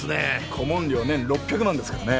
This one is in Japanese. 顧問料年６００万ですからね。